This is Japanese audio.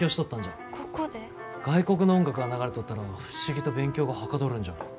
外国の音楽が流れとったら不思議と勉強がはかどるんじゃ。